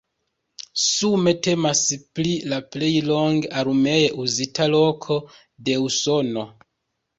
Sume temas pri la plej longe armee uzita loko de Usono.